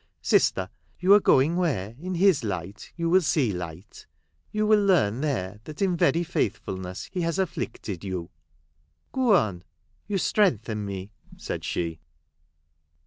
Sister, you are going where in His light you will see light ; you will learn there that in very faithfulness he has afflicted you !"" Go on — you strengthen me," said she.